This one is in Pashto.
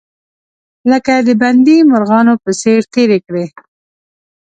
لکه د بندي مرغانو په څیر تیرې کړې.